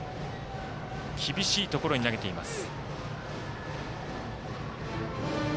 厳しいところに投げています。